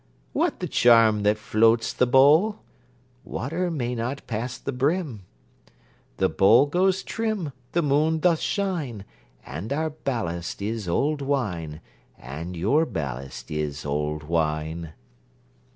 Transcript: What the charm that floats the bowl? Water may not pass the brim. The bowl goes trim. The moon doth shine. And our ballast is old wine; And your ballast is old wine.